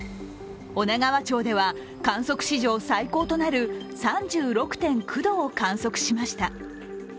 女川町では観測史上最高となる３６．９度を観測しました。